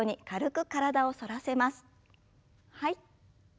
はい。